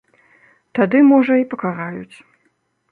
Тады, можа, і пакараюць.